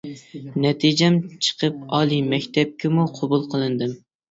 نەتىجەم چىقىپ ئالىي مەكتەپكىمۇ قوبۇل قىلىندىم.